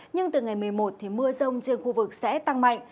nhưng từ ngày một mươi một thì mưa rông trên khu vực sẽ tăng mạnh